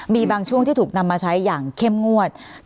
มีบางช่วงที่ถูกนำมาใช้อย่างเข้มงวด